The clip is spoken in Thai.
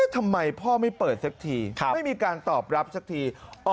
ทำไมพ่อไม่เปิดสักทีไม่มีการตอบรับสักที